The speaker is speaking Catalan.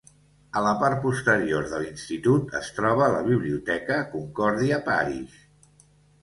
A la part posterior de l'institut es troba la Biblioteca Concordia Parish.